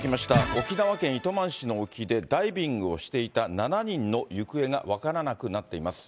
沖縄県糸満市の沖で、ダイビングをしていた７人の行方が分からなくなっています。